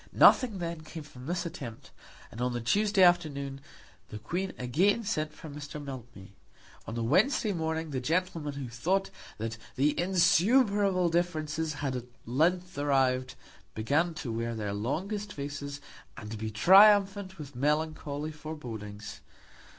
Nothing then came from this attempt, and on the Tuesday afternoon the Queen again sent for Mr. Mildmay. On the Wednesday morning the gentlemen who thought that the insuperable difficulties had at length arrived, began to wear their longest faces, and to be triumphant with melancholy forebodings.